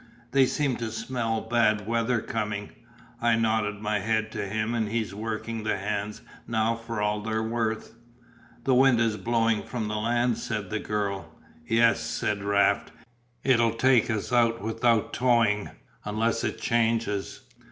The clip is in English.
They seem to smell bad weather coming. I nodded my head to him and he's working the hands now for all they're worth." "The wind is blowing from the land," said the girl. "Yes," said Raft, "it'll take us out without towing, unless it changes."